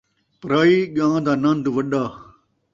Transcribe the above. پرائی ڳاں دا نند وݙا